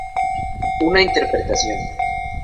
Una interpretación".